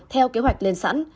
theo kế hoạch lên sẵn